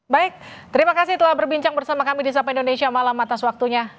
baik terima kasih telah berbincang bersama kami di sapa indonesia malam atas waktunya